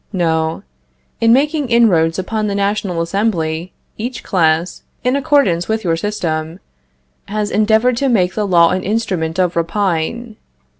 No. In making inroads upon the National Assembly, each class, in accordance with your system, has endeavored to make the law an instrument of rapine.